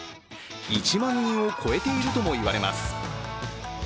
１万人を超えているともいわれます。